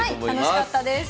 楽しかったです。